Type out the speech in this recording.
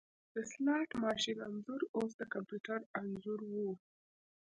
د سلاټ ماشین انځور اوس د کمپیوټر انځور و